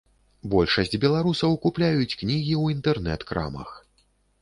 Большасць беларусаў купляюць кнігі ў інтэрнэт-крамах.